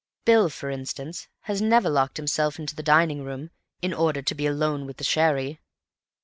Bill, for instance, has never locked himself into the dining room in order to be alone with the sherry.